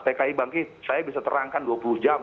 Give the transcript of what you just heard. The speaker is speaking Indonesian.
tki bangkit saya bisa terangkan dua puluh jam